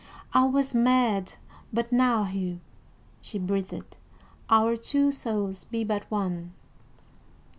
"I was mad but now, Hugh," she breathed. "Our two souls be but one."